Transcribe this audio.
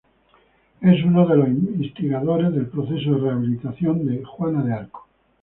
Es uno de los instigadores del proceso de rehabilitación de Juana de Arco.